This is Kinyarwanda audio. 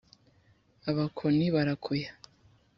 abakoni barakuya